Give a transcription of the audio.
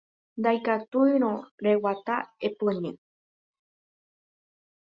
Ndaikatúirõ reguata, epoñy